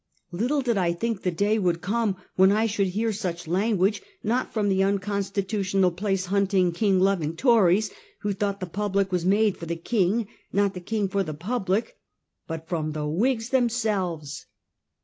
Little did I think the day would come when I should hear such language, not from the unconstitutional, place hunting, king loving Tories, who thought the public was made for the king, not the king for the public, but from the Whigs them selves